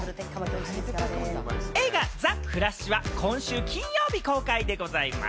映画『ザ・フラッシュ』は今週金曜日公開でございます。